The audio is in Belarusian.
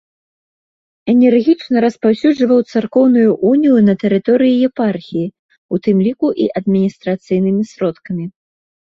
Энергічна распаўсюджваў царкоўную унію на тэрыторыі епархіі, у тым ліку і адміністрацыйнымі сродкамі.